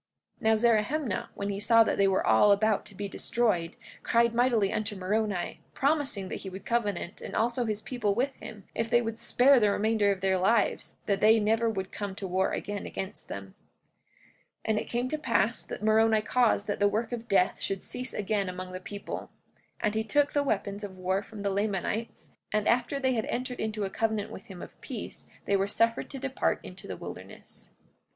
44:19 Now Zerahemnah, when he saw that they were all about to be destroyed, cried mightily unto Moroni, promising that he would covenant and also his people with them, if they would spare the remainder of their lives, that they never would come to war again against them. 44:20 And it came to pass that Moroni caused that the work of death should cease again among the people. And he took the weapons of war from the Lamanites; and after they had entered into a covenant with him of peace they were suffered to depart into the wilderness.